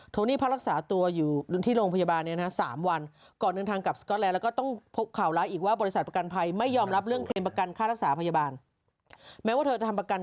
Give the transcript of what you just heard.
โทนี่พารักษาตัวอยู่ที่โรงพยาบาลเนี่ยนะฮะ๓วัน